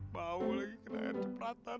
bau lagi kena erjep rata